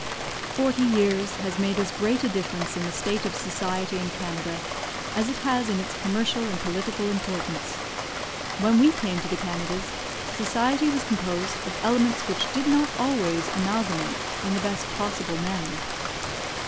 Forty years has made as great a difference in the state of society in Canada as it has in its commercial and political importance. When we came to the Canadas, society was composed of elements which did not always amalgamate in the best possible manner.